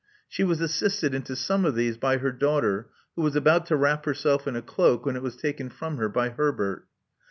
She was assisted into some of these by her daughter, who was about to wrap herself in a cloak, when it was taken from her by Herbert.